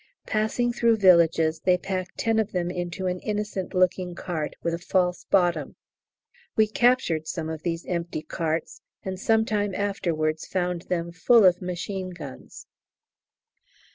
Passing through villages they pack ten of them into an innocent looking cart with a false bottom. We captured some of these empty carts, and some time afterwards found them full of machine guns!